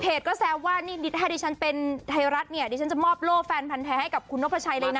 ก็แซวว่านี่ถ้าดิฉันเป็นไทยรัฐเนี่ยดิฉันจะมอบโล่แฟนพันธ์แท้ให้กับคุณนกพระชัยเลยนะ